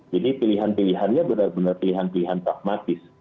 jadi pilihan pilihannya benar benar pilihan pilihan pragmatis